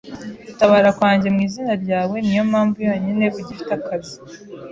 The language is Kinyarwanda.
Gutabara kwanjye mu izina ryawe niyo mpamvu yonyine ugifite akazi.